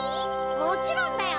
もちろんだよ。